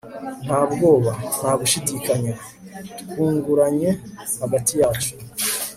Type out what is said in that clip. nta bwoba, nta gushidikanya, twunguranye hagati yacu